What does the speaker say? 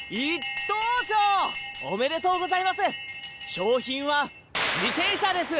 商品は自転車です！